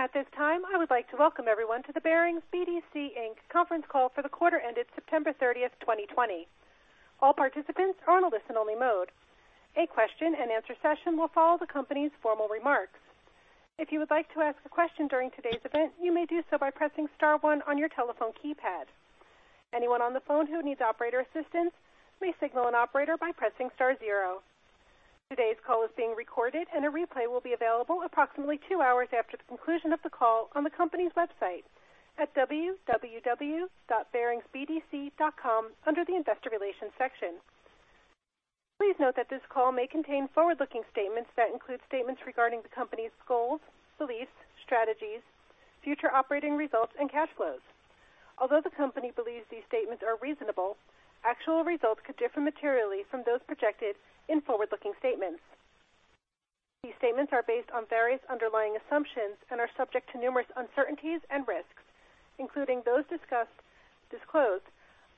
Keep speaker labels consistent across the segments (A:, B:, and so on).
A: At this time, I would like to welcome everyone to the Barings BDC, Inc. conference call for the quarter ended September 30th, 2020. All participants are on a listen-only mode. A question-and-answer session will follow the company's formal remarks. If you would like to ask a question during today's event, you may do so by pressing star one on your telephone keypad. Anyone on the phone who needs operator assistance may signal an operator by pressing star zero. Today's call is being recorded and a replay will be available approximately two hours after the conclusion of the call on the company's website at www.baringsbdc.com under the investor relations section. Please note that this call may contain forward-looking statements that include statements regarding the company's goals, beliefs, strategies, future operating results, and cash flows. Although the company believes these statements are reasonable, actual results could differ materially from those projected in forward-looking statements. These statements are based on various underlying assumptions and are subject to numerous uncertainties and risks, including those disclosed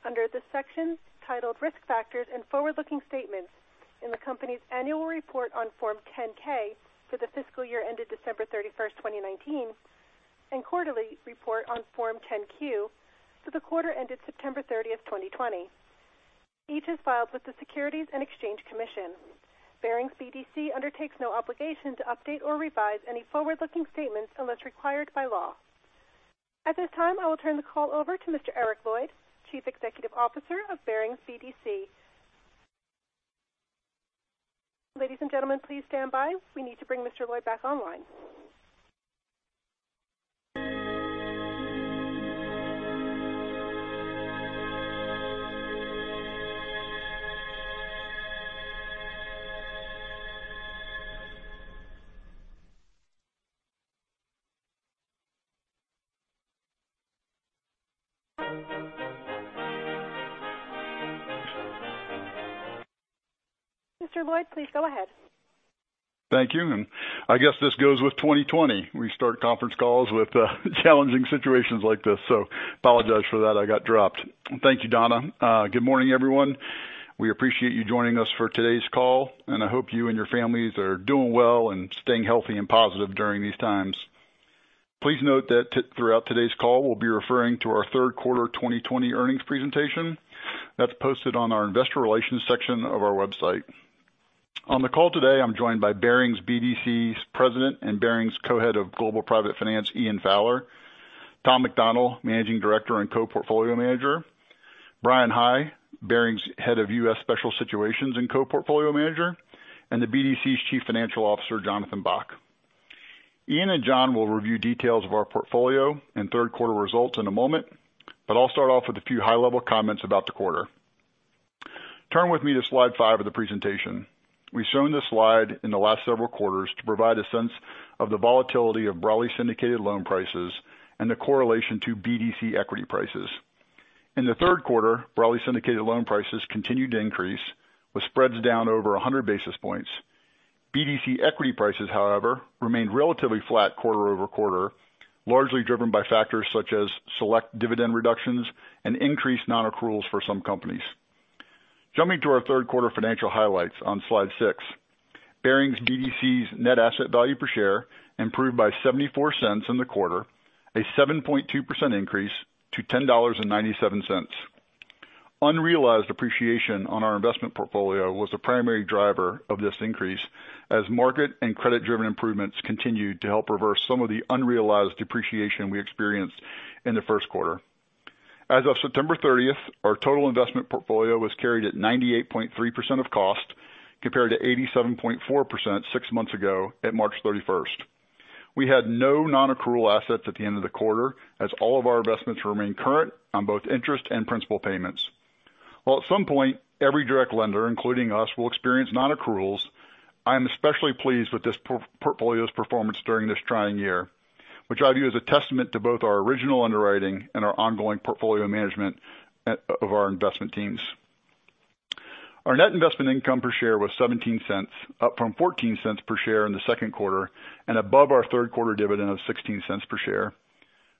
A: under the sections titled Risk Factors and Forward-Looking Statements in the company's annual report on Form 10-K for the fiscal year ended December 31st, 2019, and quarterly report on Form 10-Q for the quarter ended September 30th, 2020. Each is filed with the Securities and Exchange Commission. Barings BDC undertakes no obligation to update or revise any forward-looking statements unless required by law. At this time, I will turn the call over to Mr. Eric Lloyd, Chief Executive Officer of Barings BDC. Ladies and gentlemen, please stand by. We need to bring Mr. Lloyd back online. Mr. Lloyd, please go ahead.
B: Thank you. I guess this goes with 2020. We start conference calls with challenging situations like this. Apologize for that. I got dropped. Thank you, Donna. Good morning, everyone. We appreciate you joining us for today's call, and I hope you and your families are doing well and staying healthy and positive during these times. Please note that throughout today's call, we'll be referring to our third quarter 2020 earnings presentation that's posted on our investor relations section of our website. On the call today, I'm joined by Barings BDC's President and Barings Co-head of Global Private Finance, Ian Fowler, Tom McDonnell, Managing Director and Co-portfolio Manager, Bryan High, Barings Head of U.S. Special Situations and Co-portfolio Manager, and the BDC's Chief Financial Officer, Jonathan Bock. Ian and Jon will review details of our portfolio and third-quarter results in a moment. I'll start off with a few high-level comments about the quarter. Turn with me to slide five of the presentation. We've shown this slide in the last several quarters to provide a sense of the volatility of broadly syndicated loan prices and the correlation to BDC equity prices. In the third quarter, broadly syndicated loan prices continued to increase, with spreads down over 100 basis points. BDC equity prices, however, remained relatively flat quarter-over-quarter, largely driven by factors such as select dividend reductions and increased non-accruals for some companies. Jumping to our third-quarter financial highlights on slide six, Barings BDC's net asset value per share improved by $0.74 in the quarter, a 7.2% increase to $10.97. Unrealized appreciation on our investment portfolio was the primary driver of this increase, as market and credit-driven improvements continued to help reverse some of the unrealized depreciation we experienced in the first quarter. As of September 30th, our total investment portfolio was carried at 98.3% of cost, compared to 87.4% six months ago at March 31st. We had no non-accrual assets at the end of the quarter, as all of our investments remained current on both interest and principal payments. While at some point, every direct lender, including us, will experience non-accruals, I am especially pleased with this portfolio's performance during this trying year, which I view as a testament to both our original underwriting and our ongoing portfolio management of our investment teams. Our net investment income per share was $0.17, up from $0.14 per share in the second quarter and above our third-quarter dividend of $0.16 per share.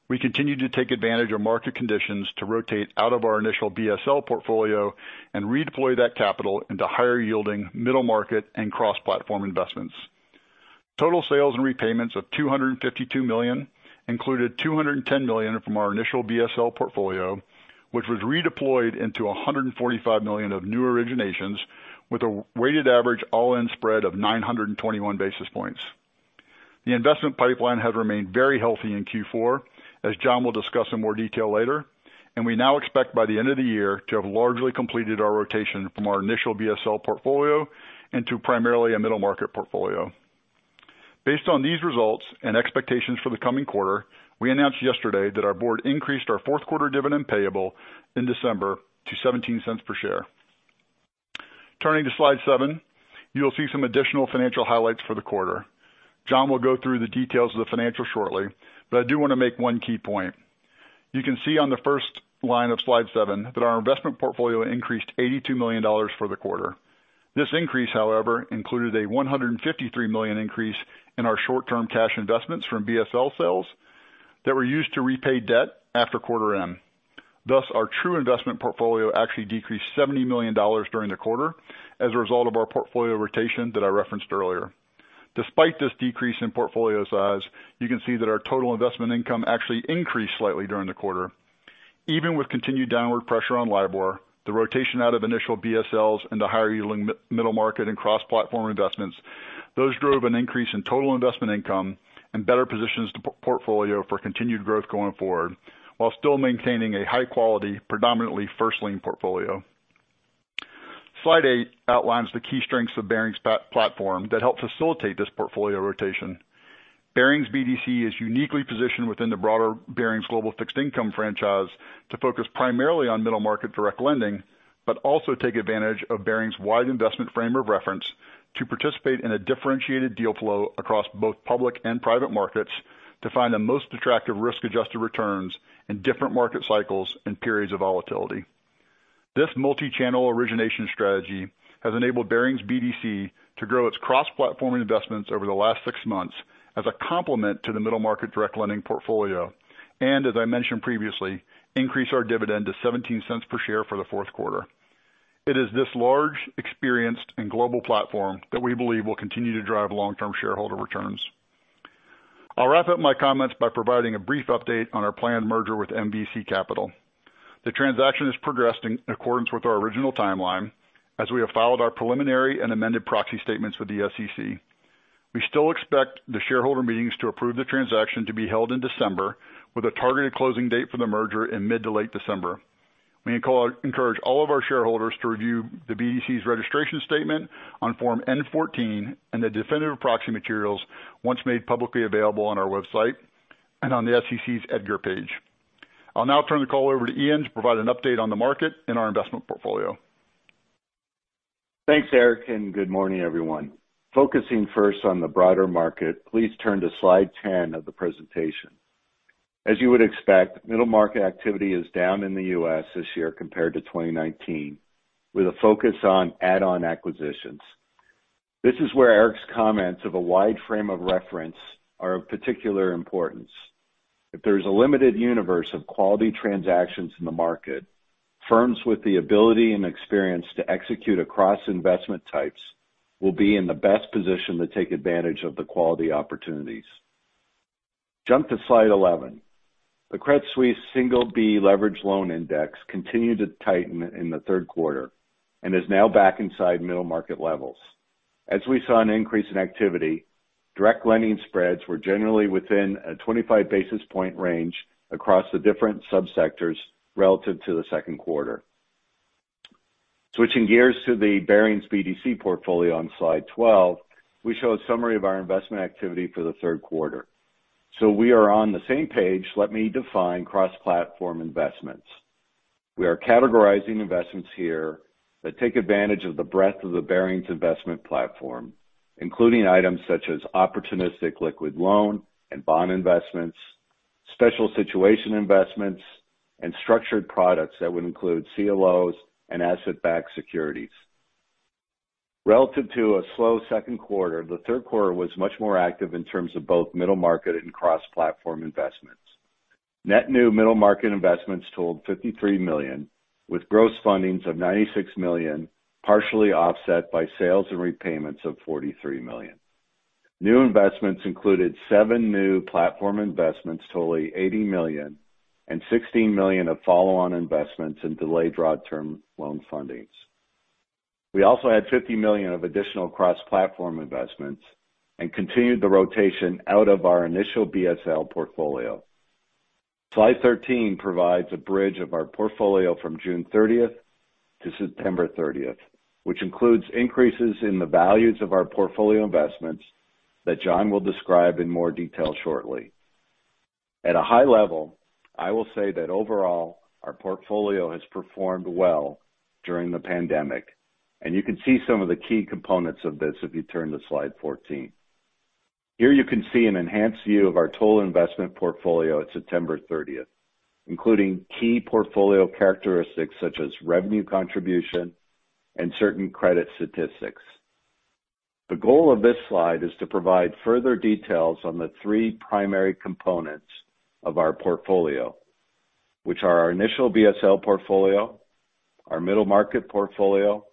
B: We continued to take advantage of market conditions to rotate out of our initial BSL portfolio and redeploy that capital into higher-yielding middle market and cross-platform investments. Total sales and repayments of $252 million included $210 million from our initial BSL portfolio, which was redeployed into $145 million of new originations with a weighted average all-in spread of 921 basis points. The investment pipeline has remained very healthy in Q4, as Jon will discuss in more detail later, and we now expect by the end of the year to have largely completed our rotation from our initial BSL portfolio into primarily a middle market portfolio. Based on these results and expectations for the coming quarter, we announced yesterday that our board increased our fourth quarter dividend payable in December to $0.17 per share. Turning to slide seven, you'll see some additional financial highlights for the quarter. Jon will go through the details of the financials shortly, but I do want to make one key point. You can see on the first line of slide seven that our investment portfolio increased $82 million for the quarter. This increase, however, included a $153 million increase in our short-term cash investments from BSL sales that were used to repay debt after quarter end. Thus, our true investment portfolio actually decreased $70 million during the quarter as a result of our portfolio rotation that I referenced earlier. Despite this decrease in portfolio size, you can see that our total investment income actually increased slightly during the quarter. Even with continued downward pressure on LIBOR, the rotation out of initial BSLs into higher yielding middle market and cross-platform investments, those drove an increase in total investment income and better positions to portfolio for continued growth going forward, while still maintaining a high quality, predominantly first lien portfolio. Slide eight outlines the key strengths of Barings platform that help facilitate this portfolio rotation. Barings BDC is uniquely positioned within the broader Barings global fixed income franchise to focus primarily on middle market direct lending, also take advantage of Barings' wide investment frame of reference to participate in a differentiated deal flow across both public and private markets to find the most attractive risk-adjusted returns in different market cycles and periods of volatility. This multi-channel origination strategy has enabled Barings BDC to grow its cross-platform investments over the last six months as a complement to the middle market direct lending portfolio, and as I mentioned previously, increase our dividend to $0.17 per share for the fourth quarter. It is this large, experienced, and global platform that we believe will continue to drive long-term shareholder returns. I'll wrap up my comments by providing a brief update on our planned merger with MVC Capital. The transaction has progressed in accordance with our original timeline as we have filed our preliminary and amended proxy statements with the SEC. We still expect the shareholder meetings to approve the transaction to be held in December with a targeted closing date for the merger in mid to late December. We encourage all of our shareholders to review the BDC's registration statement on Form N-14 and the definitive proxy materials once made publicly available on our website and on the SEC's EDGAR page. I'll now turn the call over to Ian to provide an update on the market and our investment portfolio.
C: Thanks, Eric, and good morning, everyone. Focusing first on the broader market, please turn to slide 10 of the presentation. As you would expect, middle market activity is down in the U.S. this year compared to 2019, with a focus on add-on acquisitions. This is where Eric's comments of a wide frame of reference are of particular importance. If there is a limited universe of quality transactions in the market, firms with the ability and experience to execute across investment types will be in the best position to take advantage of the quality opportunities. Jump to slide 11. The Credit Suisse single B leverage loan index continued to tighten in the third quarter and is now back inside middle market levels. As we saw an increase in activity, direct lending spreads were generally within a 25 basis point range across the different sub-sectors relative to the second quarter. Switching gears to the Barings BDC portfolio on slide 12, we show a summary of our investment activity for the third quarter. We are on the same page, let me define cross-platform investments. We are categorizing investments here that take advantage of the breadth of the Barings investment platform, including items such as opportunistic liquid loan and bond investments, special situation investments, and structured products that would include CLOs and asset-backed securities. Relative to a slow second quarter, the third quarter was much more active in terms of both middle market and cross-platform investments. Net new middle market investments totaled $53 million, with gross fundings of $96 million, partially offset by sales and repayments of $43 million. New investments included seven new platform investments totaling $80 million and $16 million of follow-on investments in delayed draw term loan fundings. We also had $50 million of additional cross-platform investments and continued the rotation out of our initial BSL portfolio. Slide 13 provides a bridge of our portfolio from June 30th to September 30th, which includes increases in the values of our portfolio investments that Jon will describe in more detail shortly. At a high level, I will say that overall, our portfolio has performed well during the pandemic, and you can see some of the key components of this if you turn to Slide 14. Here you can see an enhanced view of our total investment portfolio at September 30th, including key portfolio characteristics such as revenue contribution and certain credit statistics. The goal of this slide is to provide further details on the three primary components of our portfolio, which are our initial BSL portfolio, our middle market portfolio,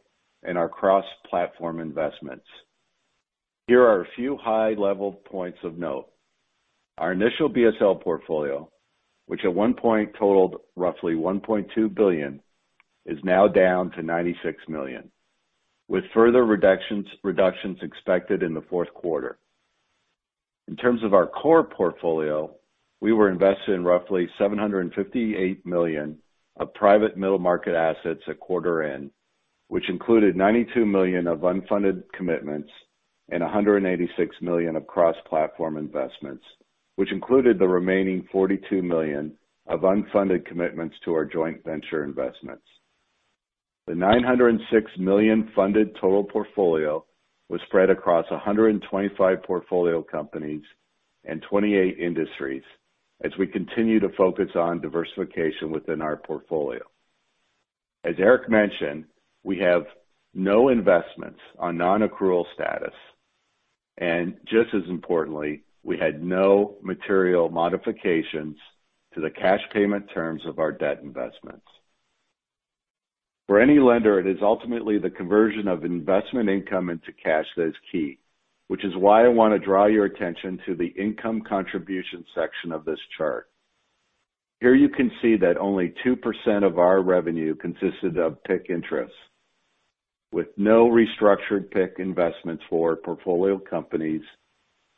C: and our cross-platform investments. Here are a few high-level points of note. Our initial BSL portfolio, which at one point totaled roughly $1.2 billion, is now down to $96 million, with further reductions expected in the fourth quarter. In terms of our core portfolio, we were invested in roughly $758 million of private middle market assets at quarter end, which included $92 million of unfunded commitments and $186 million of cross-platform investments, which included the remaining $42 million of unfunded commitments to our joint venture investments. The $906 million funded total portfolio was spread across 125 portfolio companies and 28 industries as we continue to focus on diversification within our portfolio. As Eric mentioned, we have no investments on non-accrual status. Just as importantly, we had no material modifications to the cash payment terms of our debt investments. For any lender, it is ultimately the conversion of investment income into cash that is key, which is why I want to draw your attention to the income contribution section of this chart. Here you can see that only 2% of our revenue consisted of PIK interests, with no restructured PIK investments for portfolio companies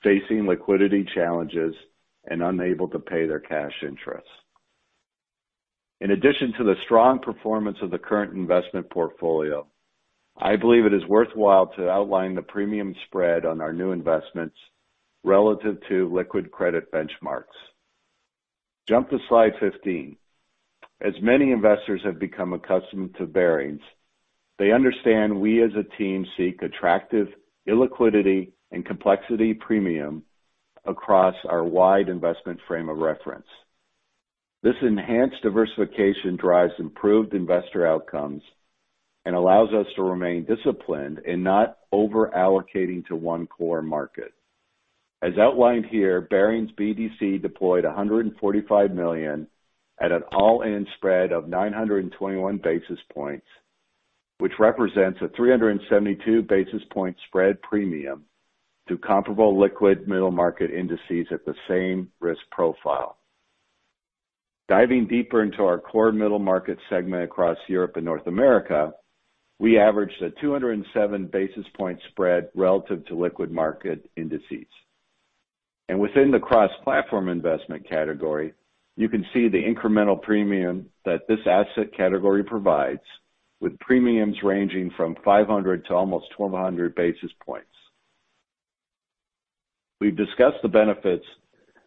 C: facing liquidity challenges and unable to pay their cash interests. In addition to the strong performance of the current investment portfolio, I believe it is worthwhile to outline the premium spread on our new investments relative to liquid credit benchmarks. Jump to slide 15. As many investors have become accustomed to Barings, they understand we as a team seek attractive illiquidity and complexity premium across our wide investment frame of reference. This enhanced diversification drives improved investor outcomes and allows us to remain disciplined in not over-allocating to one core market. As outlined here, Barings BDC deployed $145 million at an all-in spread of 921 basis points, which represents a 372 basis point spread premium to comparable liquid middle market indices at the same risk profile. Diving deeper into our core middle market segment across Europe and North America, we averaged a 207 basis point spread relative to liquid market indices. Within the cross-platform investment category, you can see the incremental premium that this asset category provides with premiums ranging from 500 to almost 1,200 basis points. We've discussed the benefits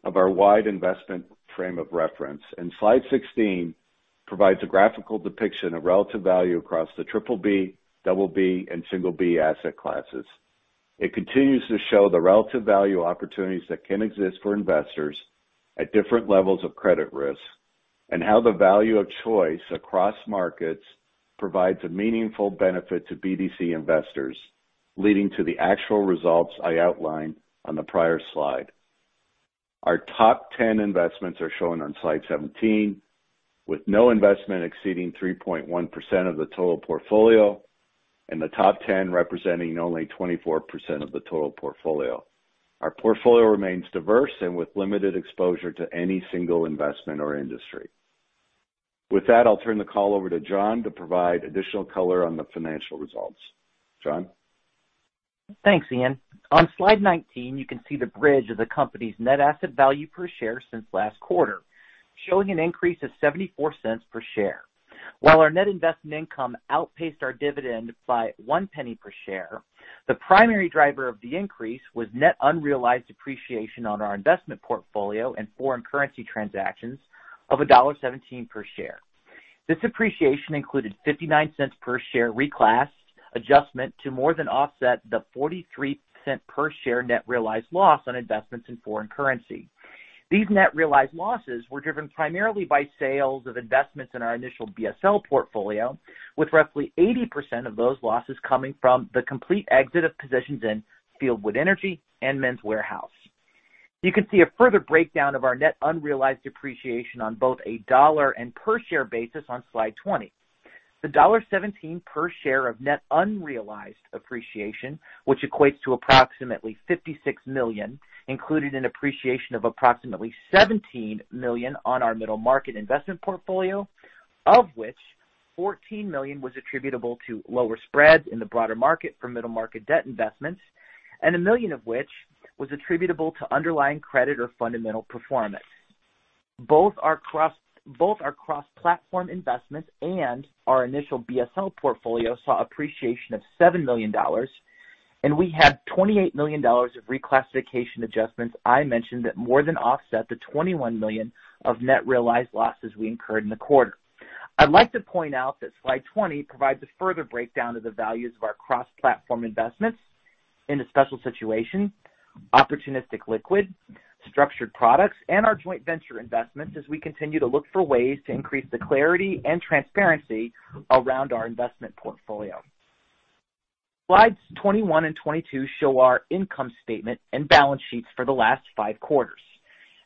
C: of our wide investment frame of reference, and slide 16 provides a graphical depiction of relative value across the BBB, BB, and B asset classes. It continues to show the relative value opportunities that can exist for investors at different levels of credit risk, and how the value of choice across markets provides a meaningful benefit to BDC investors, leading to the actual results I outlined on the prior slide. Our top 10 investments are shown on slide 17, with no investment exceeding 3.1% of the total portfolio and the top 10 representing only 24% of the total portfolio. Our portfolio remains diverse and with limited exposure to any single investment or industry. With that, I'll turn the call over to Jon to provide additional color on the financial results. Jon?
D: Thanks, Ian. On slide 19, you can see the bridge of the company's net asset value per share since last quarter, showing an increase of $0.74 per share. While our net investment income outpaced our dividend by $0.01 per share, the primary driver of the increase was net unrealized appreciation on our investment portfolio and foreign currency transactions of $1.17 per share. This appreciation included $0.59 per share reclass adjustment to more than offset the $0.43 per share net realized loss on investments in foreign currency. These net realized losses were driven primarily by sales of investments in our initial BSL portfolio, with roughly 80% of those losses coming from the complete exit of positions in Fieldwood Energy and Men's Wearhouse. You can see a further breakdown of our net unrealized appreciation on both a dollar and per share basis on slide 20. The $1.17 per share of net unrealized appreciation, which equates to approximately $56 million, included an appreciation of approximately $17 million on our middle market investment portfolio, of which $14 million was attributable to lower spreads in the broader market for middle market debt investments, and $1 million of which was attributable to underlying credit or fundamental performance. Both our cross-platform investments and our initial BSL portfolio saw appreciation of $7 million, and we had $28 million of reclassification adjustments I mentioned that more than offset the $21 million of net realized losses we incurred in the quarter. I'd like to point out that slide 20 provides a further breakdown of the values of our cross-platform investments into special situation, opportunistic liquid, structured products, and our joint venture investments as we continue to look for ways to increase the clarity and transparency around our investment portfolio. Slides 21 and 22 show our income statement and balance sheets for the last five quarters.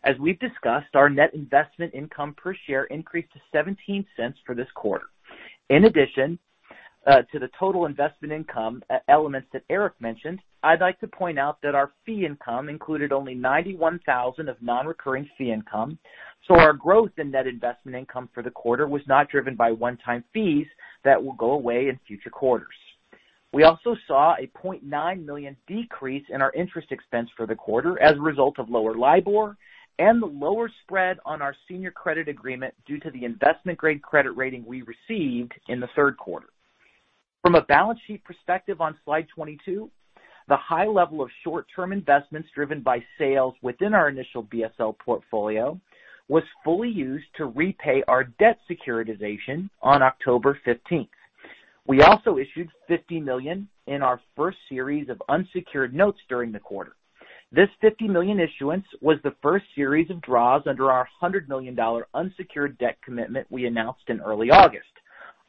D: As we've discussed, our net investment income per share increased to $0.17 for this quarter. In addition to the total investment income elements that Eric mentioned, I'd like to point out that our fee income included only $91,000 of non-recurring fee income, so our growth in net investment income for the quarter was not driven by one-time fees that will go away in future quarters. We also saw a $0.9 million decrease in our interest expense for the quarter as a result of lower LIBOR and the lower spread on our senior credit agreement due to the investment-grade credit rating we received in the third quarter. From a balance sheet perspective on slide 22, the high level of short-term investments driven by sales within our initial BSL portfolio was fully used to repay our debt securitization on October 15th. We also issued $50 million in our first series of unsecured notes during the quarter. This $50 million issuance was the first series of draws under our $100 million unsecured debt commitment we announced in early August.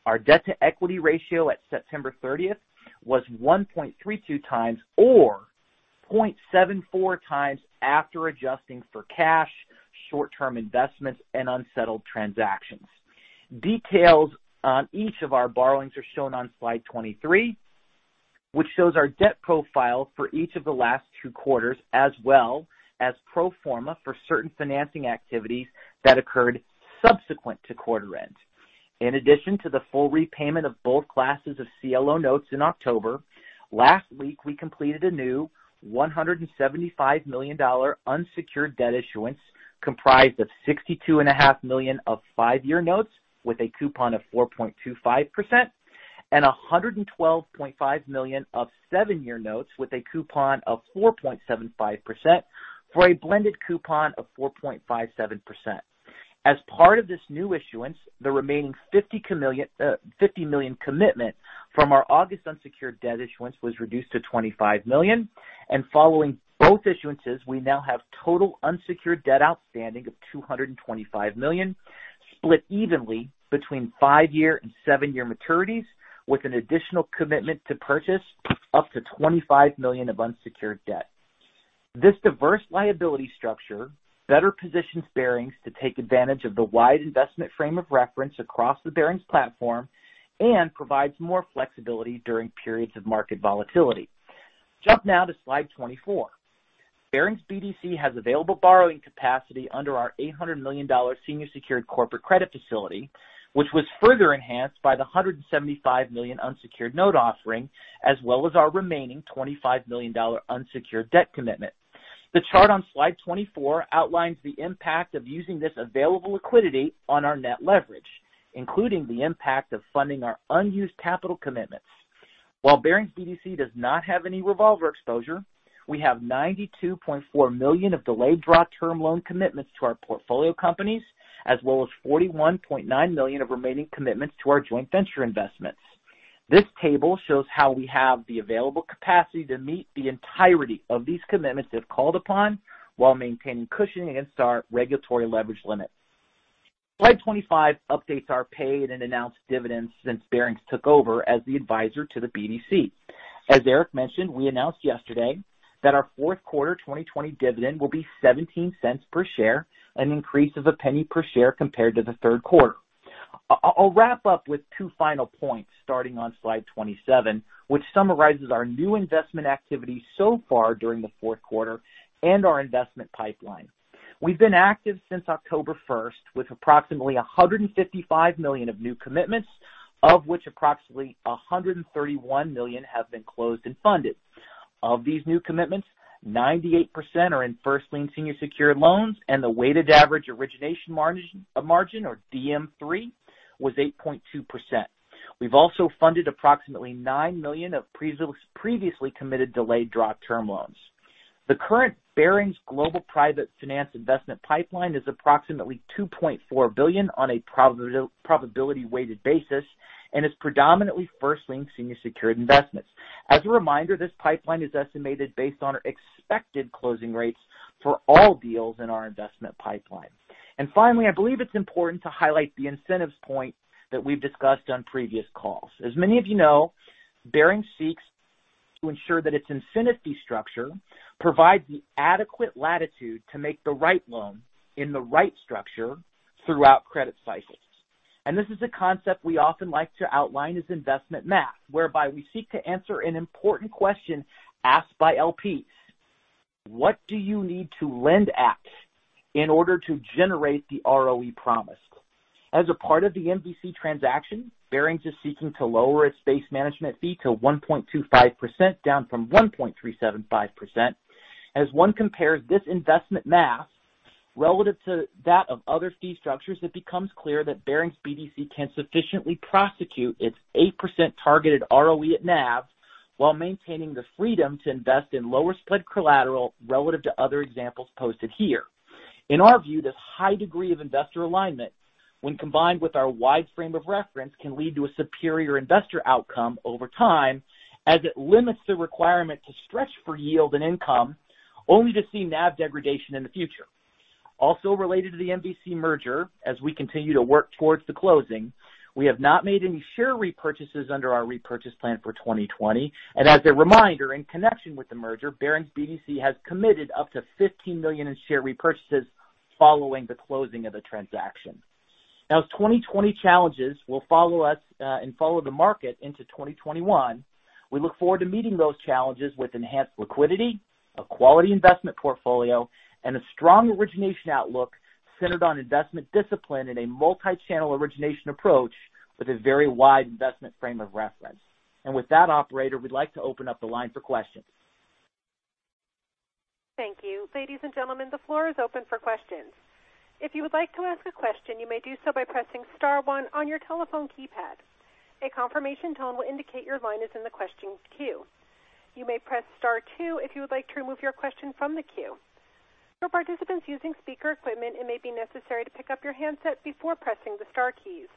D: Our debt-to-equity ratio at September 30th was 1.32 times, or 0.74 times after adjusting for cash, short-term investments, and unsettled transactions. Details on each of our borrowings are shown on slide 23, which shows our debt profile for each of the last two quarters, as well as pro forma for certain financing activities that occurred subsequent to quarter end. In addition to the full repayment of both classes of CLO notes in October, last week, we completed a new $175 million unsecured debt issuance comprised of $62.5 million of five-year notes with a coupon of 4.25%, and $112.5 million of seven-year notes with a coupon of 4.75%, for a blended coupon of 4.57%. As part of this new issuance, the remaining $50 million commitment from our August unsecured debt issuance was reduced to $25 million, and following both issuances, we now have total unsecured debt outstanding of $225 million, split evenly between five-year and seven-year maturities, with an additional commitment to purchase up to $25 million of unsecured debt. This diverse liability structure better positions Barings to take advantage of the wide investment frame of reference across the Barings platform and provides more flexibility during periods of market volatility. Jump now to slide 24. Barings BDC has available borrowing capacity under our $800 million senior secured corporate credit facility, which was further enhanced by the $175 million unsecured note offering, as well as our remaining $25 million unsecured debt commitment. The chart on slide 24 outlines the impact of using this available liquidity on our net leverage, including the impact of funding our unused capital commitments. While Barings BDC does not have any revolver exposure, we have $92.4 million of delayed draw term loan commitments to our portfolio companies, as well as $41.9 million of remaining commitments to our joint venture investments. This table shows how we have the available capacity to meet the entirety of these commitments if called upon while maintaining cushioning against our regulatory leverage limits. Slide 25 updates our paid and announced dividends since Barings took over as the advisor to the BDC. As Eric mentioned, we announced yesterday that our fourth quarter 2020 dividend will be $0.17 per share, an increase of $0.01 per share compared to the third quarter. I will wrap up with two final points starting on slide 27, which summarizes our new investment activity so far during the fourth quarter and our investment pipeline. We have been active since October 1st with approximately $155 million of new commitments, of which approximately $131 million have been closed and funded. Of these new commitments, 98% are in first-lien senior secured loans, and the weighted average origination margin, or DM3, was 8.2%. We have also funded approximately $9 million of previously committed delayed draw term loans. The current Barings Global Private Finance investment pipeline is approximately $2.4 billion on a probability-weighted basis and is predominantly first-lien senior secured investments. As a reminder, this pipeline is estimated based on our expected closing rates for all deals in our investment pipeline. Finally, I believe it's important to highlight the incentives point that we've discussed on previous calls. As many of you know, Barings seeks to ensure that its incentive fee structure provides the adequate latitude to make the right loan in the right structure throughout credit cycles. This is a concept we often like to outline as investment math, whereby we seek to answer an important question asked by LPs. What do you need to lend at in order to generate the ROE promised? As a part of the MVC transaction, Barings is seeking to lower its base management fee to 1.25%, down from 1.375%. As one compares this investment math relative to that of other fee structures, it becomes clear that Barings BDC can sufficiently prosecute its 8% targeted ROE at NAV while maintaining the freedom to invest in lower spread collateral relative to other examples posted here. In our view, this high degree of investor alignment, when combined with our wide frame of reference, can lead to a superior investor outcome over time as it limits the requirement to stretch for yield and income, only to see NAV degradation in the future. Also related to the MVC merger, as we continue to work towards the closing, we have not made any share repurchases under our repurchase plan for 2020. As a reminder, in connection with the merger, Barings BDC has committed up to $15 million in share repurchases following the closing of the transaction. Now, as 2020 challenges will follow us and follow the market into 2021, we look forward to meeting those challenges with enhanced liquidity, a quality investment portfolio, and a strong origination outlook centered on investment discipline and a multi-channel origination approach with a very wide investment frame of reference. With that, operator, we'd like to open up the line for questions.
A: Thank you. Ladies and gentlemen, the floor is open for questions. If you would like to ask a question, you may do so by pressing star one on your telephone keypad. A confirmation tone will indicate your line is in the questions queue. You may press star two if you would like to remove your question from the queue. For participants using speaker equipment, it may be necessary to pick up your handset before pressing the star keys.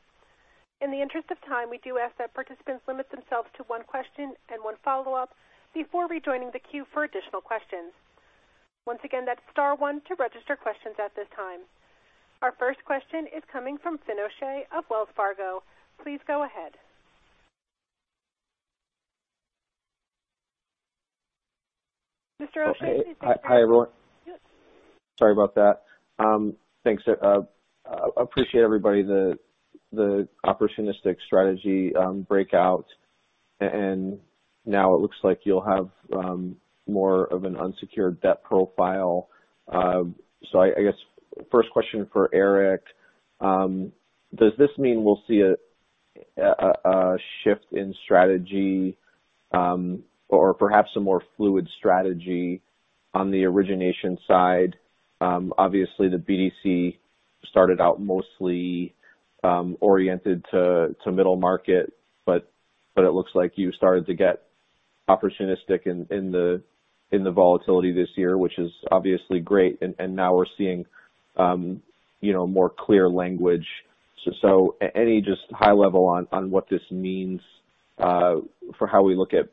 A: In the interest of time, we do ask that participants limit themselves to one question and one follow-up before rejoining the queue for additional questions. Once again, that's star one to register questions at this time. Our first question is coming from Finian O'Shea of Wells Fargo. Please go ahead. Mr. O'Shea, you can proceed.
E: Hi, everyone.
A: Yes.
E: Sorry about that. Thanks. Appreciate everybody, the opportunistic strategy breakout, and now it looks like you'll have more of an unsecured debt profile. I guess first question for Eric. Does this mean we'll see a shift in strategy, or perhaps a more fluid strategy on the origination side? Obviously, the BDC started out mostly oriented to middle market, but it looks like you started to get opportunistic in the volatility this year, which is obviously great, and now we're seeing more clear language. Any just high level on what this means for how we look at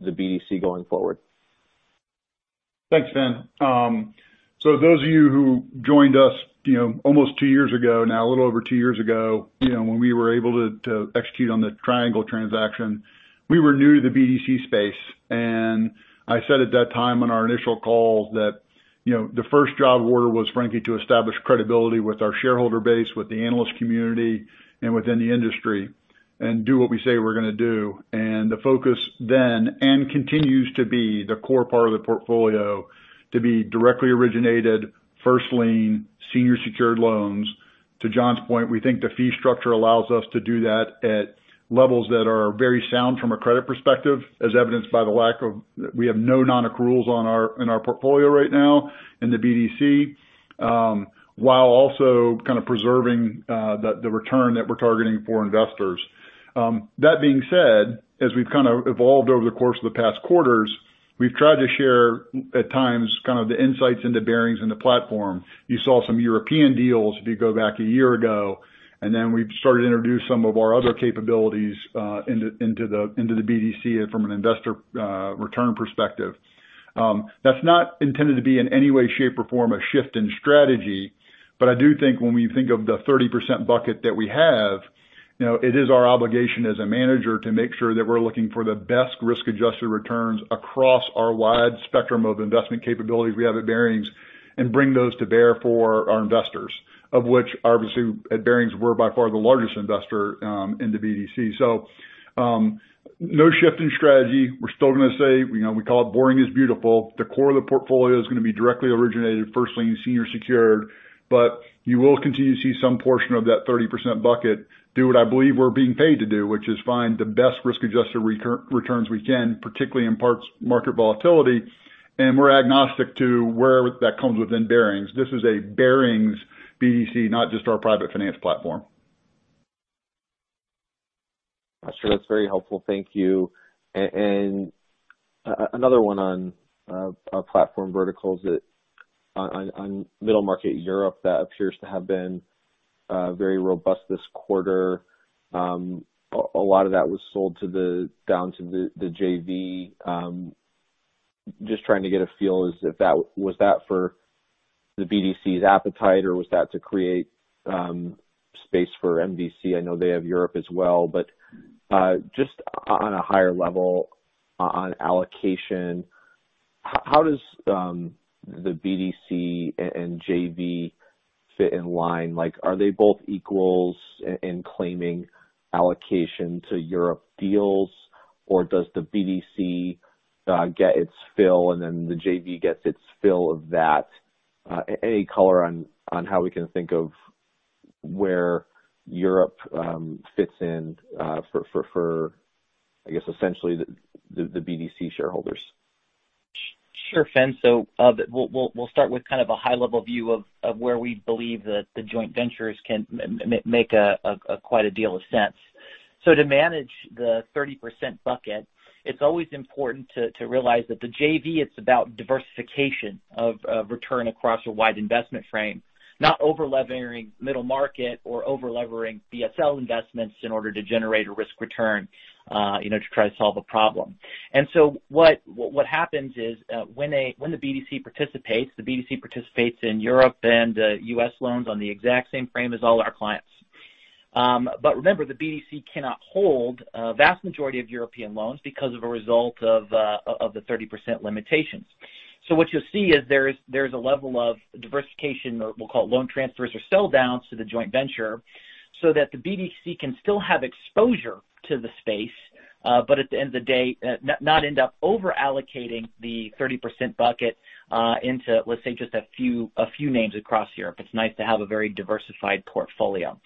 E: the BDC going forward?
B: Thanks, Finn. Those of you who joined us almost two years ago now, a little over two years ago, when we were able to execute on the Triangle transaction, we were new to the BDC space. I said at that time on our initial call that the first job order was frankly to establish credibility with our shareholder base, with the analyst community and within the industry and do what we say we're going to do. The focus then, and continues to be the core part of the portfolio, to be directly originated first lien senior secured loans. To Jon's point, we think the fee structure allows us to do that at levels that are very sound from a credit perspective, as evidenced by we have no non-accruals in our portfolio right now in the BDC, while also kind of preserving the return that we're targeting for investors. That being said, as we've kind of evolved over the course of the past quarters, we've tried to share, at times, kind of the insights into Barings in the platform. You saw some European deals if you go back a year ago, and then we've started to introduce some of our other capabilities into the BDC from an investor return perspective. That's not intended to be in any way, shape, or form a shift in strategy. I do think when we think of the 30% bucket that we have, it is our obligation as a manager to make sure that we're looking for the best risk-adjusted returns across our wide spectrum of investment capabilities we have at Barings and bring those to bear for our investors, of which obviously at Barings, we're by far the largest investor in the BDC. No shift in strategy. We're still going to say, we call it boring is beautiful. The core of the portfolio is going to be directly originated first lien senior secured, but you will continue to see some portion of that 30% bucket do what I believe we're being paid to do, which is find the best risk-adjusted returns we can, particularly in periods of market volatility. We're agnostic to where that comes within Barings. This is a Barings BDC, not just our private finance platform.
E: Sure. That's very helpful. Thank you. Another one on our platform verticals that on middle market Europe that appears to have been very robust this quarter. A lot of that was sold down to the JV. Just trying to get a feel as if that was that for the BDC's appetite or was that to create space for MVC? I know they have Europe as well, but just on a higher level on allocation, how does the BDC and JV fit in line? Are they both equals in claiming allocation to Europe deals, or does the BDC get its fill and then the JV gets its fill of that? Any color on how we can think of where Europe fits in for I guess essentially the BDC shareholders.
D: Sure, Finn. We'll start with kind of a high level view of where we believe that the joint ventures can make quite a deal of sense. To manage the 30% bucket, it's always important to realize that the JV, it's about diversification of return across a wide investment frame, not over-levering middle market or over-levering BSL investments in order to generate a risk return to try to solve a problem. What happens is when the BDC participates, the BDC participates in Europe and U.S. loans on the exact same frame as all our clients. Remember, the BDC cannot hold a vast majority of European loans because of a result of the 30% limitations. What you'll see is there is a level of diversification, or we'll call it loan transfers or sell downs to the joint venture so that the BDC can still have exposure to the space. At the end of the day, not end up over allocating the 30% bucket into, let's say, just a few names across Europe. It's nice to have a very diversified portfolio.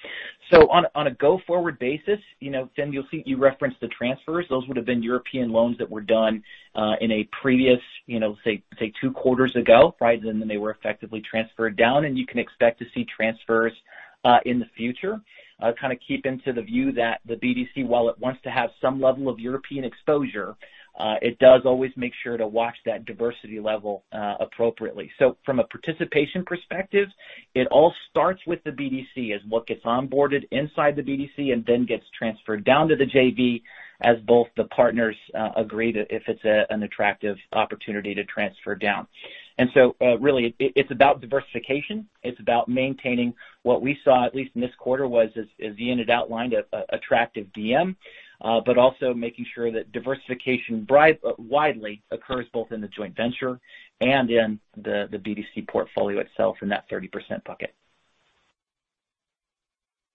D: On a go-forward basis, you'll see you referenced the transfers. Those would have been European loans that were done in a previous, say, two quarters ago. They were effectively transferred down, and you can expect to see transfers in the future. Kind of keep into the view that the BDC, while it wants to have some level of European exposure, it does always make sure to watch that diversity level appropriately. From a participation perspective, it all starts with the BDC as what gets onboarded inside the BDC and then gets transferred down to the JV as both the partners agree if it's an attractive opportunity to transfer down. Really, it's about diversification. It's about maintaining what we saw, at least in this quarter, was, as Ian had outlined, attractive DM. Also making sure that diversification widely occurs both in the joint venture and in the BDC portfolio itself in that 30% bucket.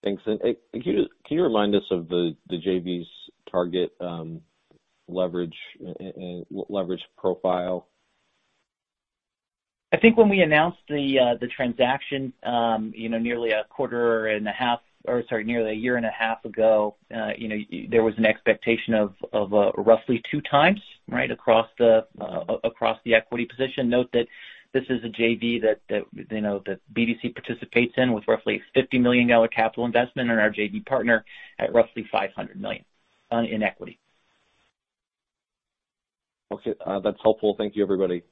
E: Thanks. Can you remind us of the JV's target leverage profile?
D: I think when we announced the transaction nearly a year and a half ago, there was an expectation of roughly two times right across the equity position. Note that this is a JV that BDC participates in with roughly $50 million capital investment and our JV partner at roughly $500 million in equity.
E: Okay. That's helpful. Thank you, everybody.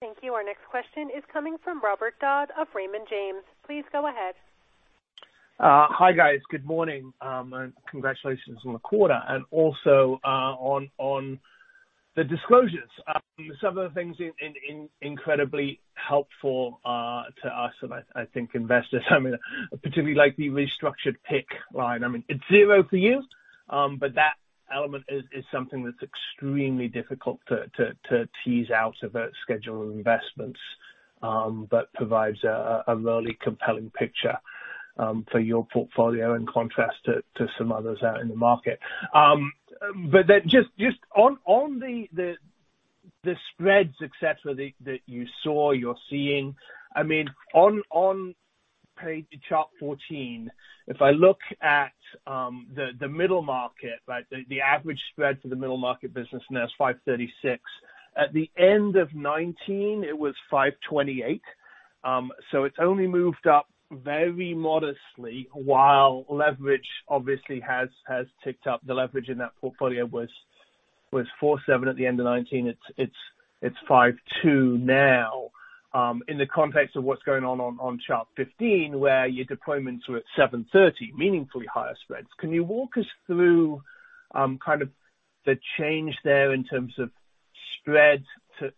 A: Thank you. Our next question is coming from Robert Dodd of Raymond James. Please go ahead.
F: Hi, guys. Good morning. Congratulations on the quarter and also on the disclosures. Some of the things are incredibly helpful to us. I think investors. I particularly like the restructured PIK line. It's zero for you, but that element is something that's extremely difficult to tease out of a schedule of investments that provides a really compelling picture for your portfolio in contrast to some others out in the market. Just on the spread success that you're seeing. On page chart 14, if I look at the middle market, the average spread for the middle market business now is 536. At the end of 2019, it was 528. It's only moved up very modestly while leverage obviously has ticked up. The leverage in that portfolio was 4.7 at the end of 2019. It's 5.2 now. In the context of what's going on chart 15, where your deployments were at 730, meaningfully higher spreads. Can you walk us through kind of the change there in terms of spread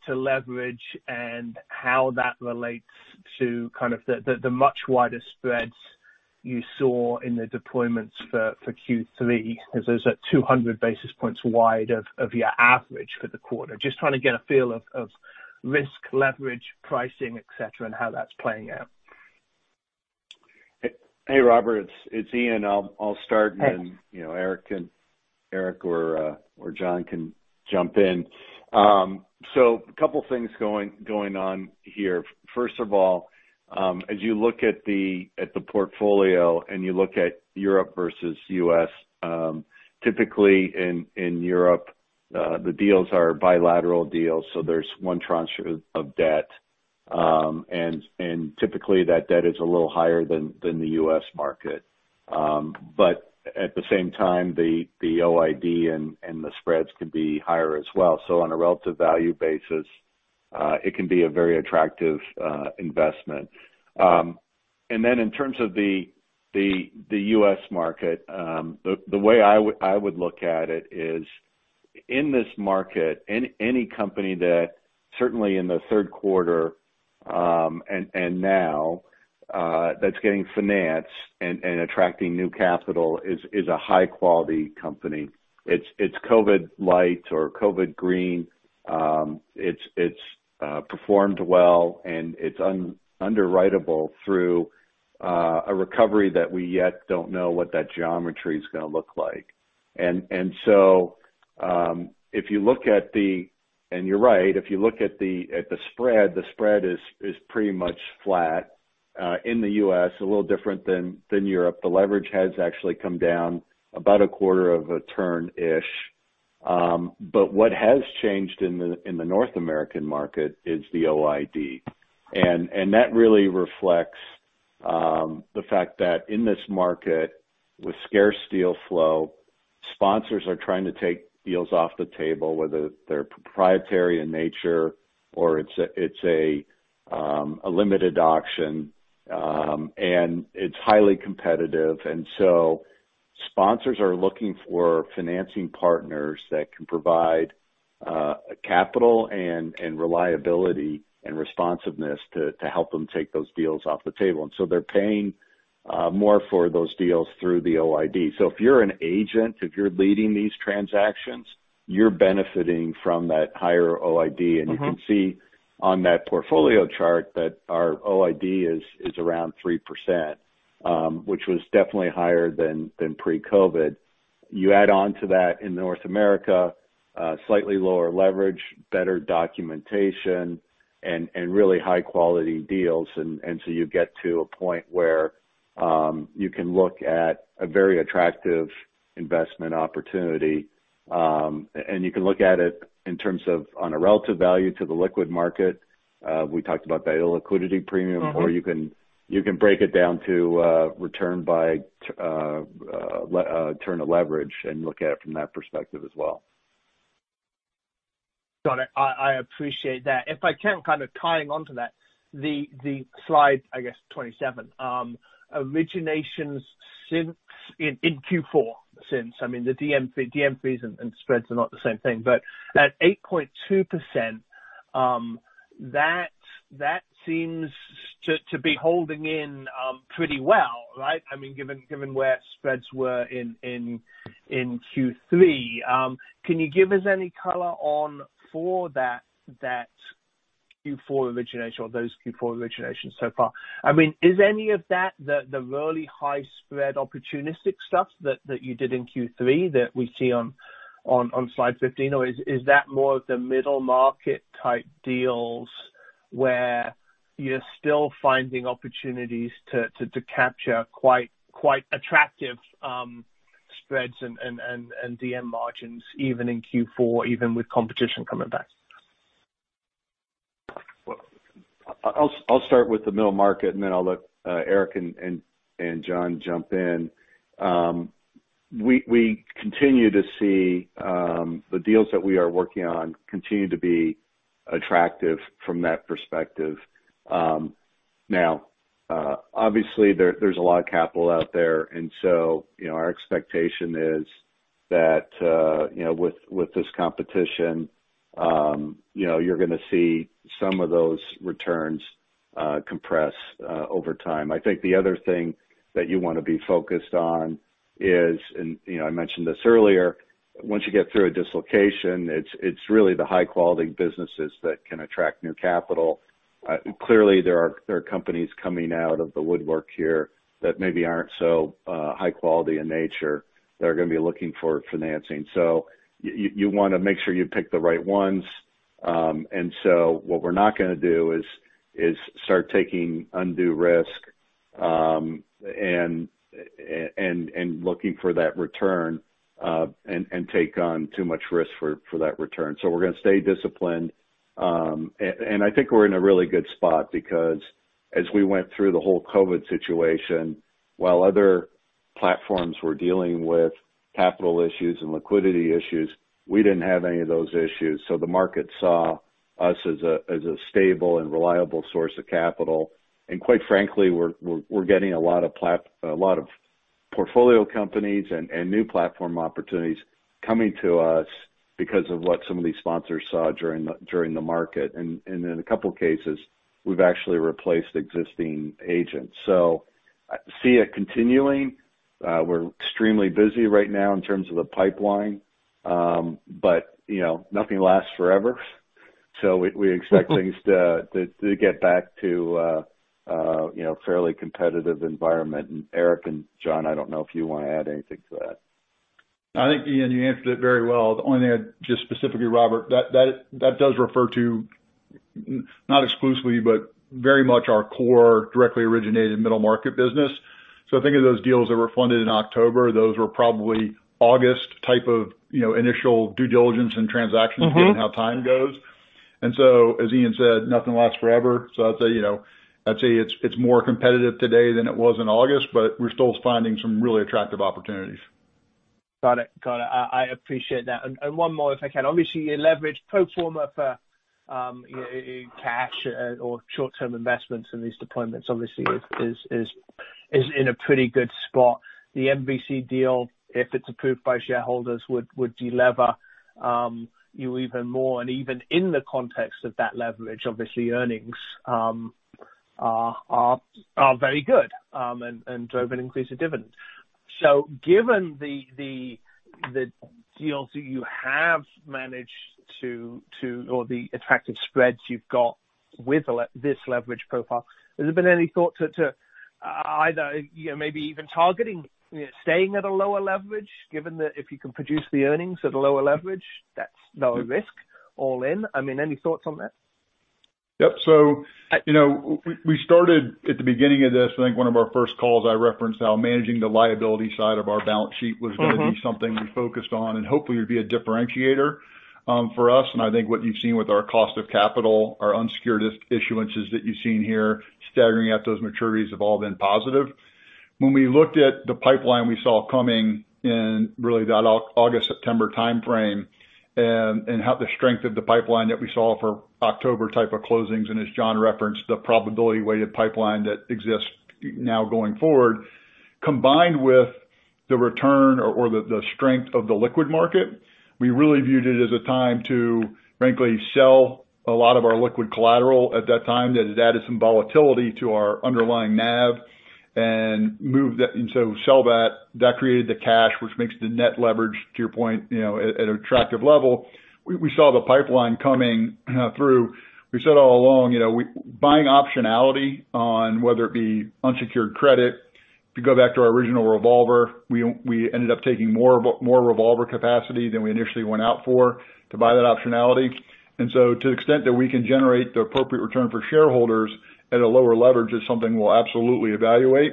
F: to leverage and how that relates to kind of the much wider spreads you saw in the deployments for Q3? Because those are 200 basis points wide of your average for the quarter. Just trying to get a feel of risk leverage, pricing, et cetera, and how that's playing out.
C: Hey, Robert, it's Ian. I'll start.
F: Hey
C: Eric or Jon can jump in. A couple things going on here. First of all, as you look at the portfolio and you look at Europe versus U.S. Typically, in Europe, the deals are bilateral deals, so there's one tranche of debt. Typically that debt is a little higher than the U.S. market. At the same time, the OID and the spreads can be higher as well. On a relative value basis, it can be a very attractive investment. In terms of the U.S. market. The way I would look at it is in this market, in any company that certainly in the third quarter, and now, that's getting finance and attracting new capital is a high-quality company. It's COVID light or COVID green. It's performed well, and it's underwriteable through a recovery that we yet don't know what that geometry is going to look like. You're right. If you look at the spread, the spread is pretty much flat. In the U.S., a little different than Europe. The leverage has actually come down about a quarter of a turn-ish. What has changed in the North American market is the OID. That really reflects the fact that in this market with scarce deal flow, sponsors are trying to take deals off the table, whether they're proprietary in nature or it's a limited auction, and it's highly competitive. Sponsors are looking for financing partners that can provide capital and reliability and responsiveness to help them take those deals off the table. They're paying more for those deals through the OID. If you're an agent, if you're leading these transactions, you're benefiting from that higher OID. You can see on that portfolio chart that our OID is around 3%, which was definitely higher than pre-COVID. You add on to that in North America, slightly lower leverage, better documentation, and really high-quality deals. You get to a point where you can look at a very attractive investment opportunity. You can look at it in terms of on a relative value to the liquid market. We talked about the illiquidity premium. You can break it down to return by turn of leverage and look at it from that perspective as well.
F: Got it. I appreciate that. If I can, kind of tying on to that, the slide, I guess, 27. Originations in Q4. I mean, the DM fees and spreads are not the same thing, but at 8.2%, that seems to be holding in pretty well, right? I mean, given where spreads were in Q3. Can you give us any color on for that Q4 origination or those Q4 originations so far? I mean, is any of that the really high spread opportunistic stuff that you did in Q3 that we see on slide 15? Is that more of the middle market-type deals where you're still finding opportunities to capture quite attractive spreads and DM margins, even in Q4, even with competition coming back?
C: Well, I'll start with the middle market, and then I'll let Eric and Jon jump in. We continue to see the deals that we are working on continue to be attractive from that perspective. Now, obviously, there's a lot of capital out there, and so our expectation is that with this competition you're going to see some of those returns compress over time. I think the other thing that you want to be focused on is, and I mentioned this earlier, once you get through a dislocation, it's really the high-quality businesses that can attract new capital. Clearly, there are companies coming out of the woodwork here that maybe aren't so high quality in nature that are going to be looking for financing. You want to make sure you pick the right ones. What we're not going to do is start taking undue risk and looking for that return, and take on too much risk for that return. We're going to stay disciplined. I think we're in a really good spot because as we went through the whole COVID situation, while other platforms were dealing with capital issues and liquidity issues, we didn't have any of those issues. The market saw us as a stable and reliable source of capital. Quite frankly, we're getting a lot of portfolio companies and new platform opportunities coming to us because of what some of these sponsors saw during the market. In a couple of cases, we've actually replaced existing agents. I see it continuing. We're extremely busy right now in terms of the pipeline. Nothing lasts forever. We expect things to get back to a fairly competitive environment. Eric and Jon, I don't know if you want to add anything to that.
B: I think, Ian, you answered it very well. The only thing I'd just specifically, Robert, that does refer to, not exclusively, but very much our core directly originated middle-market business. I think of those deals that were funded in October, those were probably August type of initial due diligence and transactions. given how time goes. As Ian said, nothing lasts forever. I'd say it's more competitive today than it was in August, but we're still finding some really attractive opportunities.
F: Got it. I appreciate that. One more, if I can. Obviously, your leverage pro forma for cash or short-term investments in these deployments obviously is in a pretty good spot. The MVC deal, if it is approved by shareholders, would de-lever you even more. Even in the context of that leverage, obviously earnings are very good and drove an increase in dividends. Given the deals that you have managed to, or the attractive spreads you've got with this leverage profile, has there been any thought to either maybe even targeting staying at a lower leverage, given that if you can produce the earnings at a lower leverage, that's lower risk all in? I mean, any thoughts on that?
B: Yep. We started at the beginning of this. I think one of our first calls I referenced how managing the liability side of our balance sheet was. going to be something we focused on and hopefully would be a differentiator for us. I think what you've seen with our cost of capital, our unsecured issuances that you've seen here, staggering out those maturities have all been positive. When we looked at the pipeline we saw coming in really that August, September timeframe and how the strength of the pipeline that we saw for October type of closings, as Jon referenced, the probability-weighted pipeline that exists now going forward, combined with the return or the strength of the liquid market, we really viewed it as a time to frankly sell a lot of our liquid collateral at that time, that it added some volatility to our underlying NAV and move that, and so sell that. That created the cash, which makes the net leverage to your point at an attractive level. We saw the pipeline coming through. We said all along buying optionality on whether it be unsecured credit. To go back to our original revolver, we ended up taking more revolver capacity than we initially went out for to buy that optionality. To the extent that we can generate the appropriate return for shareholders at a lower leverage is something we'll absolutely evaluate.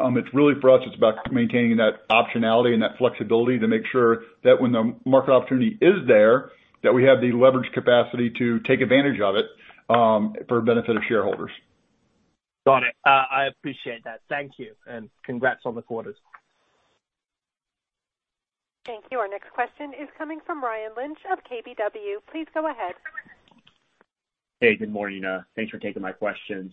B: It's really, for us, it's about maintaining that optionality and that flexibility to make sure that when the market opportunity is there, that we have the leverage capacity to take advantage of it for benefit of shareholders.
F: Got it. I appreciate that. Thank you, and congrats on the quarters.
A: Thank you. Our next question is coming from Ryan Lynch of KBW. Please go ahead.
G: Hey, good morning. Thanks for taking my questions.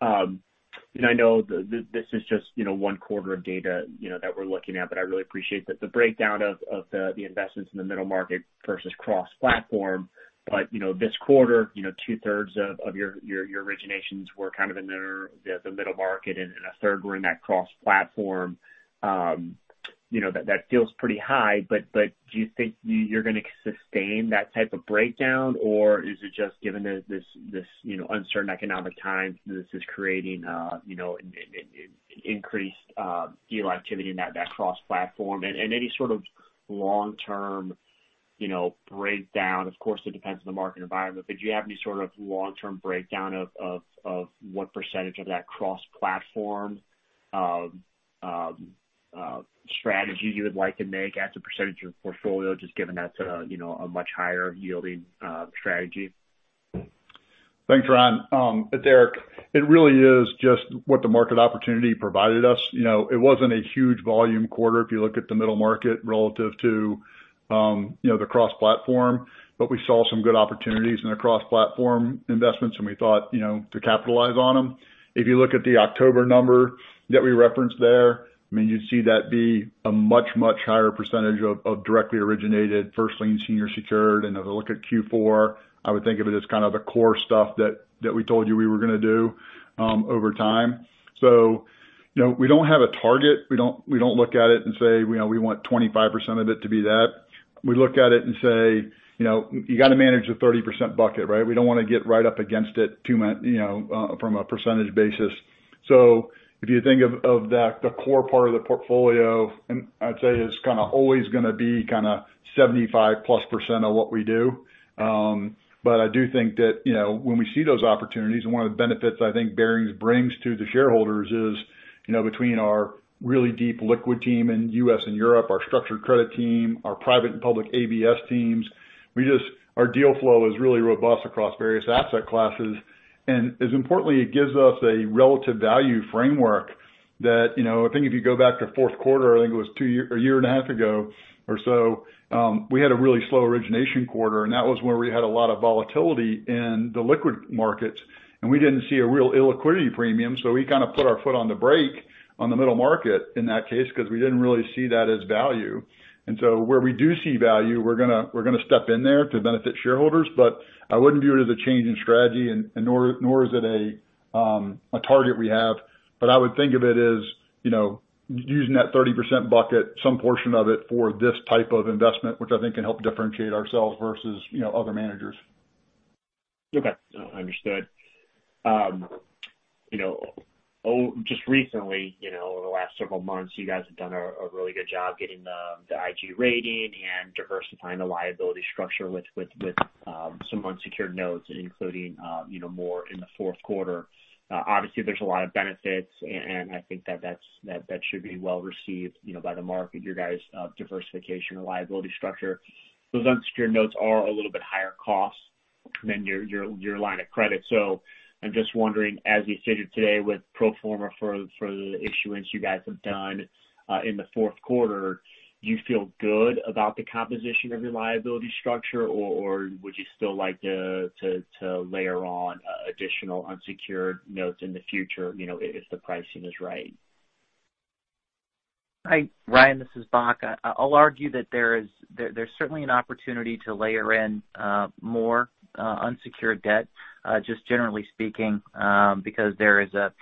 G: I know this is just one quarter of data that we're looking at, but I really appreciate the breakdown of the investments in the middle market versus cross-platform. This quarter, two-thirds of your originations were kind of in the middle market and a third were in that cross-platform. That feels pretty high, do you think you're going to sustain that type of breakdown, or is it just given this uncertain economic time, this is creating increased deal activity in that cross-platform? Any sort of long-term breakdown, of course, it depends on the market environment, but do you have any sort of long-term breakdown of what % of that cross-platform strategy you would like to make as a % of your portfolio, just given that's a much higher yielding strategy?
B: Thanks, Ryan. It's Eric. It really is just what the market opportunity provided us. It wasn't a huge volume quarter if you look at the middle market relative to the cross-platform. We saw some good opportunities in the cross-platform investments and we thought to capitalize on them. If I look at the October number that we referenced there, you'd see that be a much, much higher percentage of directly originated first lien, senior secured. If I look at Q4, I would think of it as kind of the core stuff that we told you we were going to do over time. We don't have a target. We don't look at it and say we want 25% of it to be that. We look at it and say you got to manage the 30% bucket, right? We don't want to get right up against it from a percentage basis. If you think of the core part of the portfolio, and I'd say it's kind of always going to be kind of 75%+ of what we do. I do think that when we see those opportunities, and one of the benefits I think Barings brings to the shareholders is between our really deep liquid team in U.S. and Europe, our structured credit team, our private and public ABS teams. Our deal flow is really robust across various asset classes. As importantly, it gives us a relative value framework that I think if you go back to fourth quarter, I think it was a year and a half ago or so, we had a really slow origination quarter, and that was where we had a lot of volatility in the liquid markets, and we didn't see a real illiquidity premium. We kind of put our foot on the brake on the middle market in that case because we didn't really see that as value. Where we do see value, we're going to step in there to benefit shareholders. I wouldn't view it as a change in strategy and nor is it a target we have. I would think of it as using that 30% bucket, some portion of it, for this type of investment, which I think can help differentiate ourselves versus other managers.
G: Okay. Understood. Just recently, in the last several months, you guys have done a really good job getting the IG rating and diversifying the liability structure with some unsecured notes, including more in the fourth quarter. Obviously, there's a lot of benefits, and I think that should be well received by the market, your guys' diversification or liability structure. Those unsecured notes are a little bit higher cost than your line of credit. I'm just wondering, as you stated today with pro forma for the issuance you guys have done in the fourth quarter, do you feel good about the composition of your liability structure, or would you still like to layer on additional unsecured notes in the future if the pricing is right?
D: Hi, Ryan, this is Bock. I'll argue that there's certainly an opportunity to layer in more unsecured debt, just generally speaking because there is a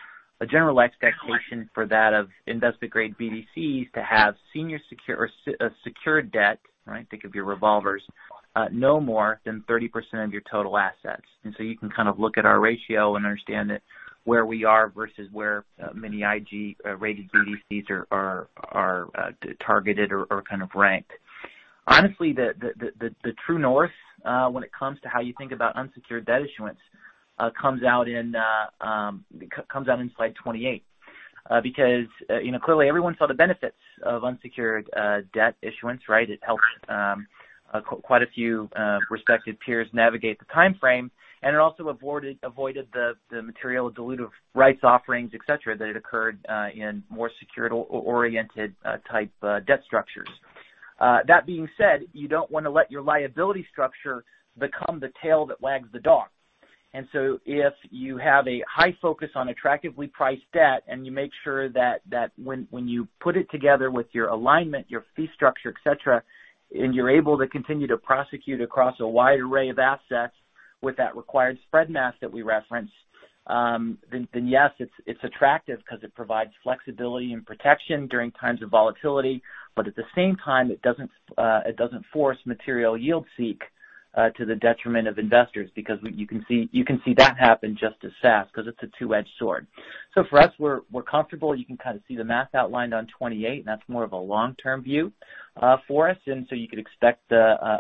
D: general expectation for that of investment-grade BDCs to have senior secured debt, think of your revolvers, no more than 30% of your total assets. You can kind of look at our ratio and understand that where we are versus where many IG-rated BDCs are targeted or kind of ranked. Honestly, the true north when it comes to how you think about unsecured debt issuance comes out in slide 28. Clearly everyone saw the benefits of unsecured debt issuance, right? It helped quite a few respected peers navigate the time frame, and it also avoided the material dilutive rights offerings, et cetera, that occurred in more security-oriented type debt structures. That being said, you don't want to let your liability structure become the tail that wags the dog. If you have a high focus on attractively priced debt and you make sure that when you put it together with your alignment, your fee structure, et cetera, and you're able to continue to prosecute across a wide array of assets with that required spread math that we referenced, then yes, it's attractive because it provides flexibility and protection during times of volatility. It doesn't force material yield seeking to the detriment of investors, because you can see that happen just as fast, because it's a two-edged sword. We're comfortable. You can kind of see the math outlined on 28, and that's more of a long-term view for us. You could expect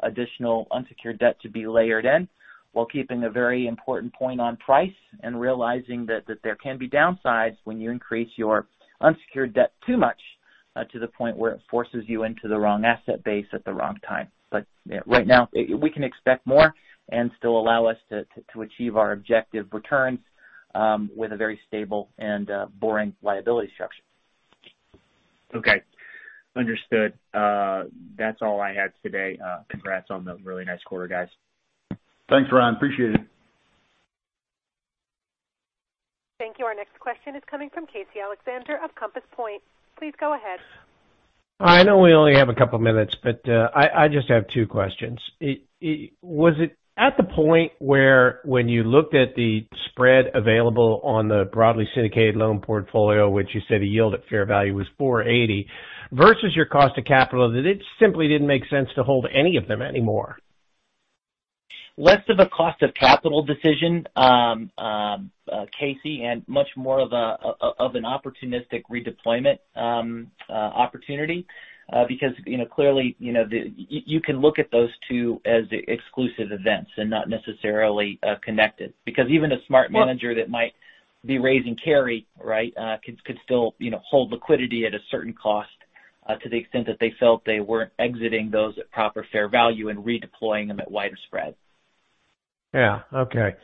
D: additional unsecured debt to be layered in while keeping a very important point on price and realizing that there can be downsides when you increase your unsecured debt too much to the point where it forces you into the wrong asset base at the wrong time. Right now, we can expect more and still allow us to achieve our objective returns with a very stable and boring liability structure.
G: Okay. Understood. That's all I had today. Congrats on the really nice quarter, guys.
B: Thanks, Ryan. Appreciate it.
A: Thank you. Our next question is coming from Casey Alexander of Compass Point. Please go ahead.
H: I know we only have a couple of minutes, but I just have two questions. Was it at the point where when you looked at the spread available on the broadly syndicated loan portfolio, which you said a yield at fair value was 480 versus your cost of capital, that it simply didn't make sense to hold any of them anymore?
D: Less of a cost of capital decision, Casey, and much more of an opportunistic redeployment opportunity. Clearly, you can look at those two as exclusive events and not necessarily connected. Even a smart manager that might be raising carry could still hold liquidity at a certain cost to the extent that they felt they weren't exiting those at proper fair value and redeploying them at wider spreads.
H: Yeah. Okay.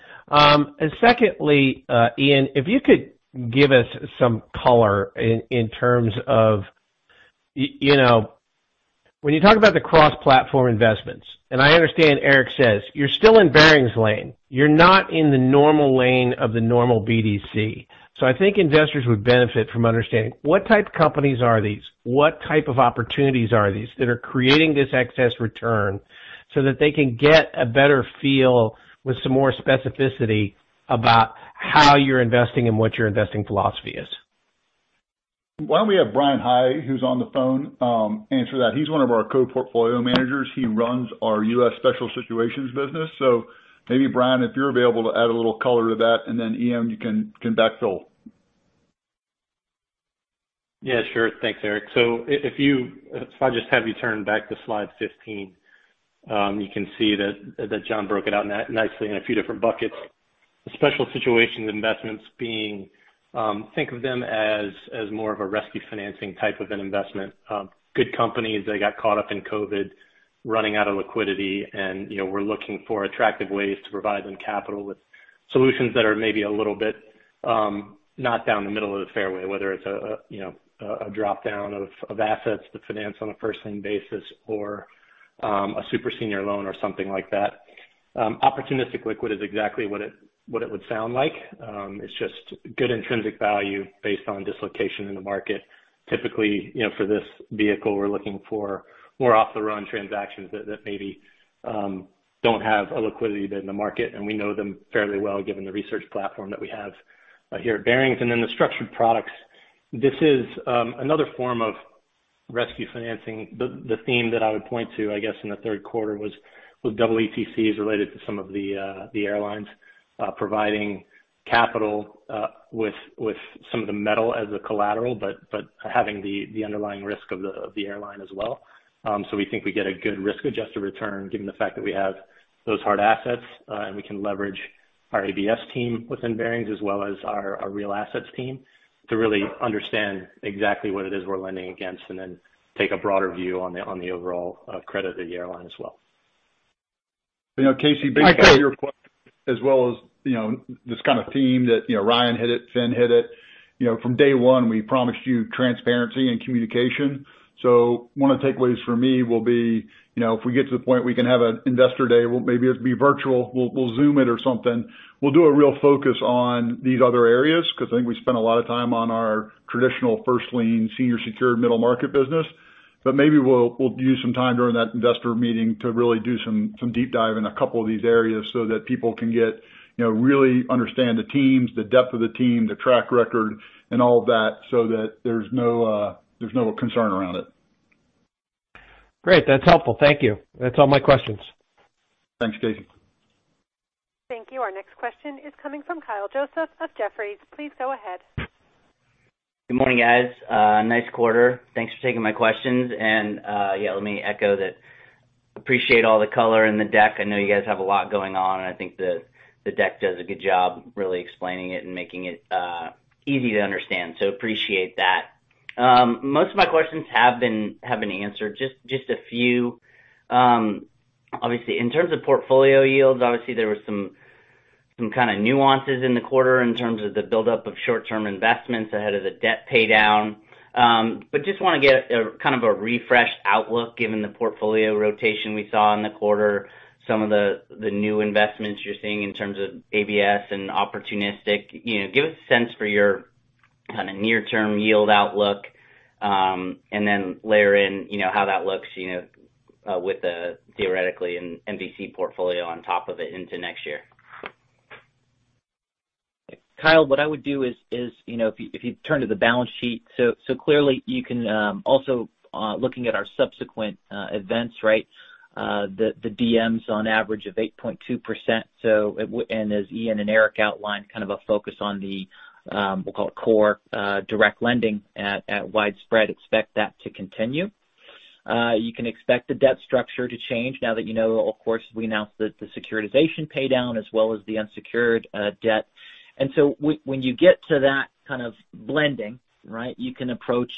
H: Secondly, Ian, if you could give us some color in terms of when you talk about the cross-platform investments, and I understand Eric says you're still in Barings lane. You're not in the normal lane of the normal BDC. I think investors would benefit from understanding what type of companies are these, what type of opportunities are these that are creating this excess return so that they can get a better feel with some more specificity about how you're investing and what your investing philosophy is.
B: Why don't we have Bryan High, who's on the phone, answer that. He's one of our co-portfolio managers. He runs our US Special Situations business. Maybe, Bryan, if you're available to add a little color to that, and then, Ian, you can backfill.
I: Yeah, sure. Thanks, Eric. If I just have you turn back to slide 15, you can see that Jon broke it out nicely in a few different buckets. The special situations investments being, think of them as more of a rescue financing type of an investment. Good companies that got caught up in COVID running out of liquidity, and we're looking for attractive ways to provide them capital with solutions that are maybe a little bit not down the middle of the fairway, whether it's a drop-down of assets to finance on a first lien basis or a super senior loan or something like that. Opportunistic liquid is exactly what it would sound like. It's just good intrinsic value based on dislocation in the market. Typically, for this vehicle, we're looking for more off the run transactions that maybe don't have a liquidity bid in the market, and we know them fairly well given the research platform that we have here at Barings. The structured products. This is another form of rescue financing. The theme that I would point to, I guess, in the third quarter was EETCs related to some of the airlines providing capital with some of the metal as a collateral, but having the underlying risk of the airline as well. We think we get a good risk-adjusted return given the fact that we have those hard assets, and we can leverage our ABS team within Barings as well as our real assets team to really understand exactly what it is we're lending against and then take a broader view on the overall credit of the airline as well.
B: You know, Casey.
H: I appreciate-
B: Based on your question as well as this kind of theme that Ryan hit it, Finn hit it. From day one, we promised you transparency and communication. One of the takeaways for me will be, if we get to the point we can have an investor day, maybe it'll be virtual, we'll Zoom it or something. We'll do a real focus on these other areas because I think we spent a lot of time on our traditional first lien, senior secured middle market business. Maybe we'll use some time during that investor meeting to really do some deep dive in a couple of these areas so that people can really understand the teams, the depth of the team, the track record, and all of that so that there's no concern around it.
H: Great. That's helpful. Thank you. That's all my questions.
B: Thanks, Casey.
A: Thank you. Our next question is coming from Kyle Joseph of Jefferies. Please go ahead.
J: Good morning, guys. Nice quarter. Thanks for taking my questions. Yeah, let me echo that I appreciate all the color in the deck. I know you guys have a lot going on, and I think the deck does a good job really explaining it and making it easy to understand. Appreciate that. Most of my questions have been answered. Just a few. Obviously, in terms of portfolio yields, obviously there were some kind of nuances in the quarter in terms of the buildup of short-term investments ahead of the debt pay down. Just want to get kind of a refreshed outlook given the portfolio rotation we saw in the quarter, some of the new investments you're seeing in terms of ABS and opportunistic. Give us a sense for your kind of near-term yield outlook, and then layer in how that looks with the theoretically an MVC portfolio on top of it into next year.
D: Kyle, what I would do is if you turn to the balance sheet. Clearly you can also, looking at our subsequent events, the DMs on average of 8.2%. As Ian and Eric outlined, kind of a focus on the, we'll call it core direct lending at widespread. Expect that to continue. You can expect the debt structure to change now that you know, of course, we announced the securitization pay down as well as the unsecured debt. When you get to that kind of blending, you can approach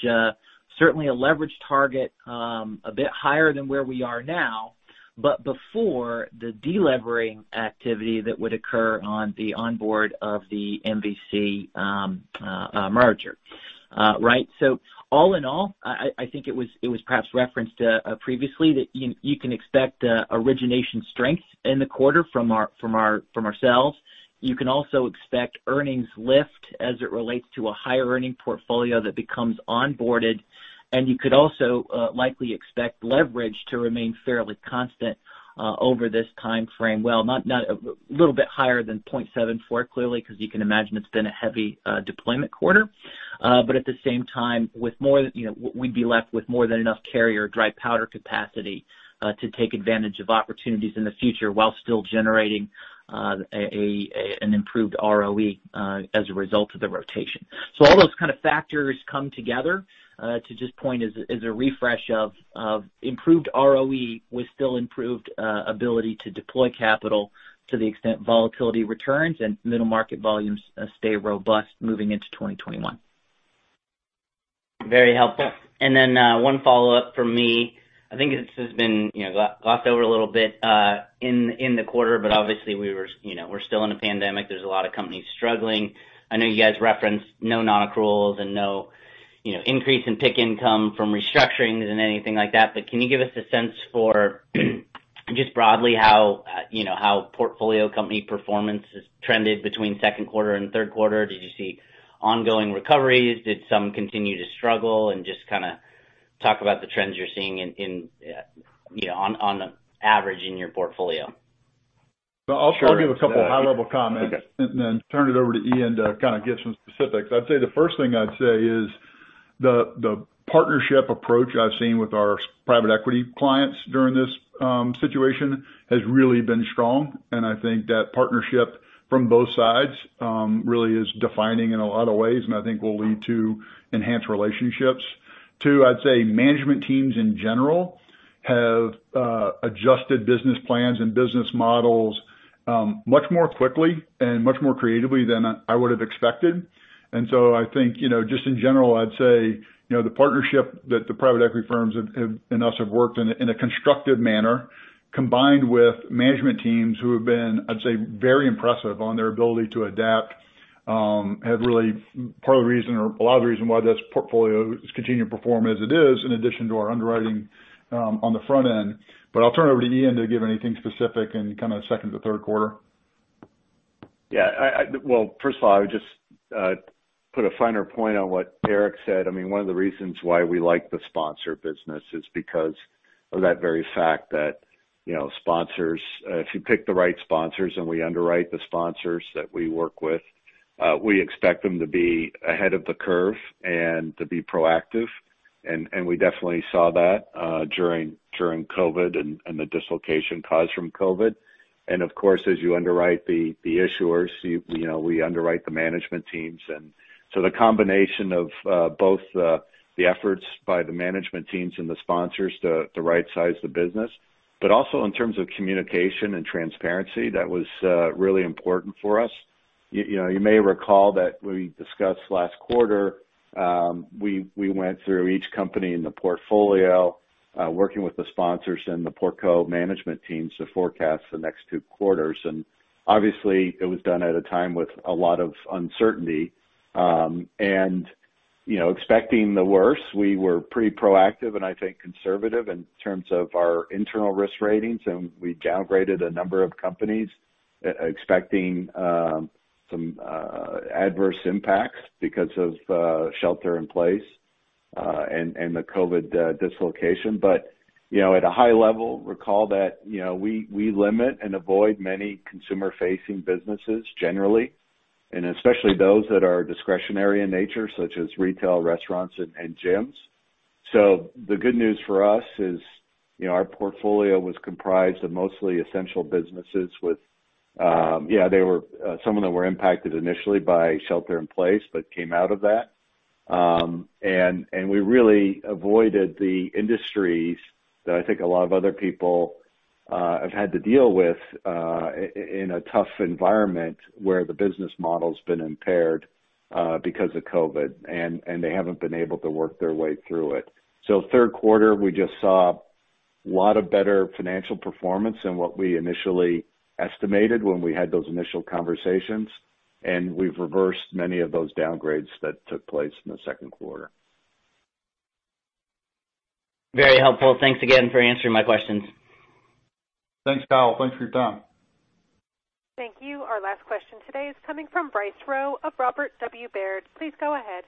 D: certainly a leverage target a bit higher than where we are now, but before the de-levering activity that would occur on the onboard of the MVC merger. All in all, I think it was perhaps referenced previously that you can expect origination strength in the quarter from ourselves. You can also expect earnings lift as it relates to a higher earning portfolio that becomes onboarded. You could also likely expect leverage to remain fairly constant over this timeframe. A little bit higher than 0.74, clearly, because you can imagine it's been a heavy deployment quarter. At the same time we'd be left with more than enough carrier dry powder capacity to take advantage of opportunities in the future while still generating an improved ROE as a result of the rotation. All those kind of factors come together to just point as a refresh of improved ROE with still improved ability to deploy capital to the extent volatility returns and middle market volumes stay robust moving into 2021.
J: Very helpful. Then one follow-up from me. I think this has been glossed over a little bit in the quarter, but obviously we're still in a pandemic. There's a lot of companies struggling. I know you guys referenced no non-accruals and no increase in PIK income from restructurings and anything like that. Can you give us a sense for just broadly how portfolio company performance has trended between second quarter and third quarter? Did you see ongoing recoveries? Did some continue to struggle? Just kind of talk about the trends you're seeing on average in your portfolio.
B: I'll give a couple of high-level comments and then turn it over to Ian to kind of give some specifics. I'd say the first thing I'd say is the partnership approach I've seen with our private equity clients during this situation has really been strong, and I think that partnership from both sides really is defining in a lot of ways, and I think will lead to enhanced relationships. Two, I'd say management teams in general have adjusted business plans and business models much more quickly and much more creatively than I would have expected. I think just in general, I'd say the partnership that the private equity firms and us have worked in a constructive manner, combined with management teams who have been, I'd say, very impressive on their ability to adapt have really, part of the reason or a lot of the reason why this portfolio has continued to perform as it is, in addition to our underwriting on the front end. I'll turn it over to Ian to give anything specific in kind of second to third quarter.
C: Yeah. Well, first of all, I would just put a finer point on what Eric said. One of the reasons why we like the sponsor business is because of that very fact that if you pick the right sponsors and we underwrite the sponsors that we work with, we expect them to be ahead of the curve and to be proactive. We definitely saw that during COVID and the dislocation caused from COVID. Of course, as you underwrite the issuers, we underwrite the management teams. The combination of both the efforts by the management teams and the sponsors to rightsize the business. Also in terms of communication and transparency, that was really important for us. You may recall that we discussed last quarter, we went through each company in the portfolio, working with the sponsors and the port co management teams to forecast the next two quarters. Obviously it was done at a time with a lot of uncertainty. Expecting the worst, we were pretty proactive and I think conservative in terms of our internal risk ratings, and we downgraded a number of companies expecting some adverse impacts because of shelter in place and the COVID dislocation. At a high level, recall that we limit and avoid many consumer-facing businesses generally, and especially those that are discretionary in nature, such as retail, restaurants, and gyms. The good news for us is our portfolio was comprised of mostly essential businesses, some of them were impacted initially by shelter in place, but came out of that. We really avoided the industries that I think a lot of other people have had to deal with in a tough environment where the business model's been impaired because of COVID and they haven't been able to work their way through it. Third quarter, we just saw a lot of better financial performance than what we initially estimated when we had those initial conversations, and we've reversed many of those downgrades that took place in the second quarter.
J: Very helpful. Thanks again for answering my questions.
B: Thanks, Kyle. Thanks for your time.
A: Thank you. Our last question today is coming from Bryce Rowe of Robert W. Baird. Please go ahead.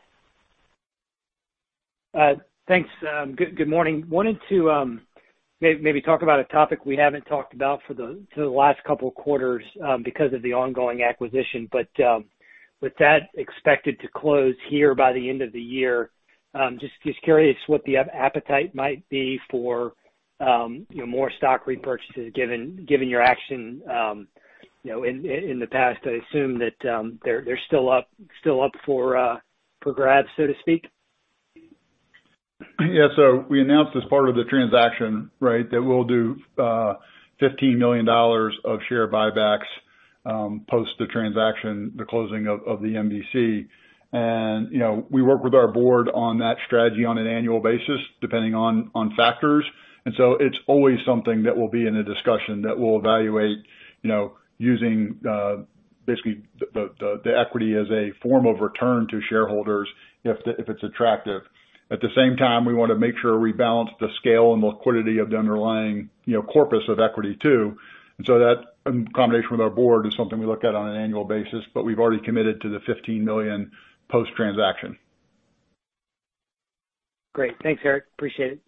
K: Thanks. Good morning. Wanted to maybe talk about a topic we haven't talked about for the last couple of quarters because of the ongoing acquisition. With that expected to close here by the end of the year, just curious what the appetite might be for more stock repurchases, given your action in the past. I assume that they're still up for grabs, so to speak.
B: Yeah. We announced as part of the transaction, right, that we'll do $15 million of share buybacks post the transaction, the closing of the MVC. We work with our board on that strategy on an annual basis, depending on factors. It's always something that will be in a discussion that we'll evaluate using basically the equity as a form of return to shareholders if it's attractive. At the same time, we want to make sure we balance the scale and liquidity of the underlying corpus of equity, too. That, in combination with our board, is something we look at on an annual basis, but we've already committed to the $15 million post-transaction.
K: Great. Thanks, Eric. Appreciate it.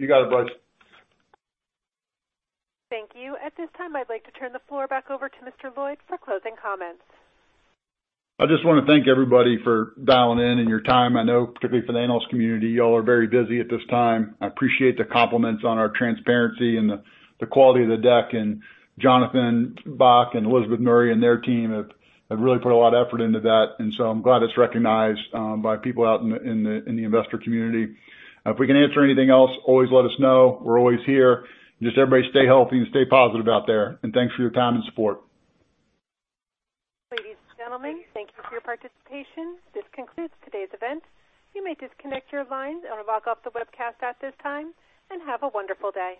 B: You got it, bud.
A: Thank you. At this time, I'd like to turn the floor back over to Mr. Lloyd for closing comments.
B: I just want to thank everybody for dialing in and your time. I know, particularly for the analyst community, you all are very busy at this time. I appreciate the compliments on our transparency and the quality of the deck. Jonathan Bock and Elizabeth Murray and their team have really put a lot of effort into that, and so I'm glad it's recognized by people out in the investor community. If we can answer anything else, always let us know. We're always here. Just everybody stay healthy and stay positive out there. Thanks for your time and support.
A: Ladies and gentlemen, thank you for your participation. This concludes today's event. You may disconnect your lines or log off the webcast at this time, and have a wonderful day.